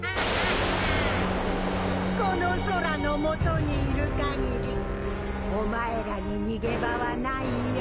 この空の下にいるかぎりお前らに逃げ場はないよ。